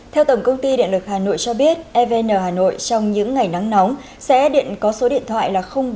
theo tổng công ty điện lực hà nội cho biết evn hà nội trong những ngày nắng nóng sẽ có số điện thoại bốn hai trăm hai mươi hai hai mươi hai nghìn